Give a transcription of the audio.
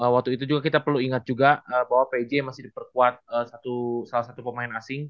waktu itu juga kita perlu ingat juga bahwa pj masih diperkuat salah satu pemain asing